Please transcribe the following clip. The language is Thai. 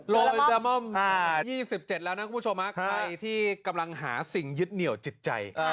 โลเมซามอม๒๗แล้วนะคุณผู้ชมใครที่กำลังหาสิ่งยึดเหนี่ยวจิตใจ